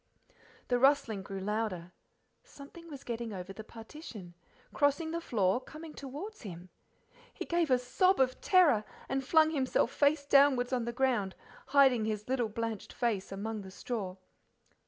The rustling grew louder, something was getting over the partition, crossing the floor, coming towards him. He gave a sob of terror and flung himself face downwards on the ground, hiding his little blanched face among the straw.